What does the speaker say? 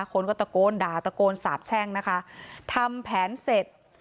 คนก็ตะโกนด่าตะโกนสาบแช่งนะคะทำแผนเสร็จ